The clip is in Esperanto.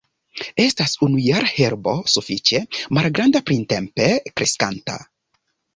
Estas unujara herbo sufiĉe malgranda, printempe kreskanta.